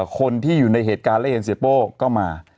คนที่อยู่ในเหตุการณ์และเห็นเสียโป้ก็มา